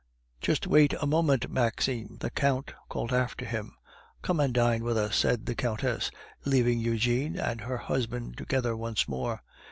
"Just wait a moment, Maxime!" the Count called after him. "Come and dine with us," said the Countess, leaving Eugene and her husband together once more.